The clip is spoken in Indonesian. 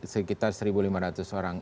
sekitar satu lima ratus orang